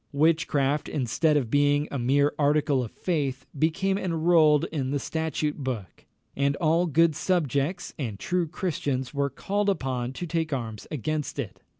Witchcraft, instead of being a mere article of faith, became enrolled in the statute book; and all good subjects and true Christians were called upon to take arms against it.